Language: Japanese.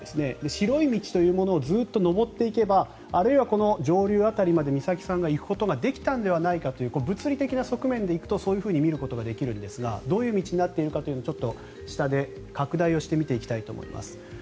白い道というのをずっと上っていけばあるいは上流の辺りまで美咲さんが行くことができたのではないかという物理的な側面で行くとそう見ることはできるんですがどういう道になっているのかというのを下で、拡大して見ていきたいと思います。